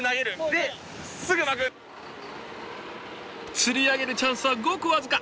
釣り上げるチャンスはごく僅か。